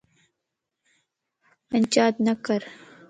پنچاتَ نڪر